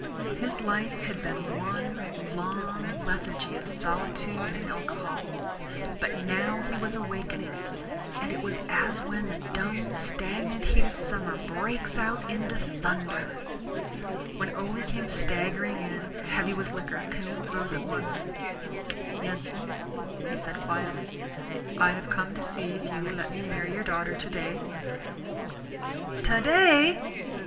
His life had been one long lethargy of solitude and alcohol, but now he was awakening, and it was as when the dumb stagnant heat of summer breaks out into thunder. When Ole came staggering in, heavy with liquor, Canute rose at once. "Yensen," he said quietly, "I have come to see if you will let me marry your daughter today." "Today!"